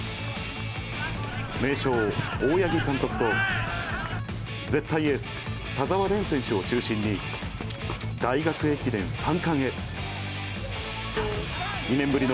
名将、大八木監督と、絶対エース、田澤廉選手を中心に、大学駅伝３冠へ。